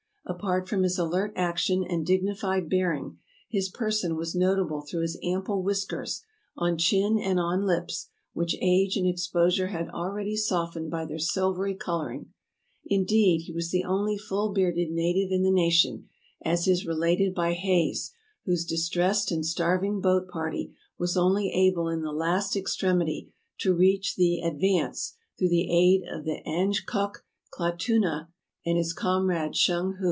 Apart from his alert action and dignified bearing, his person was no table through his ample whiskers, on chin and on lips, which age and exposure had already softened by their silvery coloring. Indeed, he was the only full bearded native in the nation, as is related by Hayes, whose dis tressed and starving boat party was only able in the last extremity to reach the Advance through the aid of the Angekok Kalutunah and his comrade Shung hu.